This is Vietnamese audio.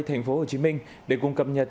thành phố hồ chí minh để cùng cập nhật